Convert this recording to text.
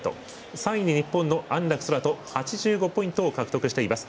３位に日本の安楽宙斗が８５ポイントを獲得しています。